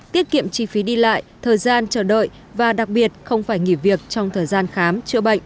tiết kiệm chi phí đi lại thời gian chờ đợi và đặc biệt không phải nghỉ việc trong thời gian khám chữa bệnh